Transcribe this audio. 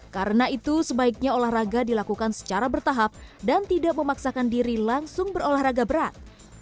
karena itu sebaiknya olahraga dilakukan secara bertahap dan tidak memaksakan diri langsung berolahraga berat